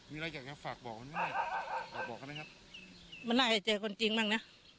มีอะไรอยากจะฝากบอกกันไหมฝากบอกกันนะครับมันน่าจะเจอคนจริงบ้างน่ะ